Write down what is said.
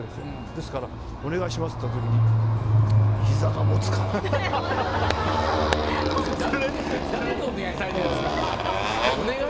ですからお願いしますと言われた時に誰にお願いされてるんですか？